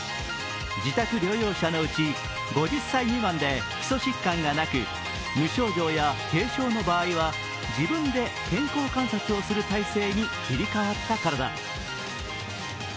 自宅療養者のうち５０歳未満で基礎疾患がなく無症状や軽症の場合は自分で健康観察を行う体制に切り替わったからだ。